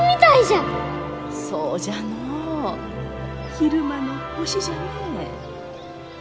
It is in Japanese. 昼間の星じゃね。